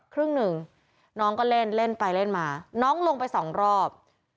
ครึ่งหนึ่งน้องก็เล่นเล่นไปเล่นมาน้องลงไปสองรอบ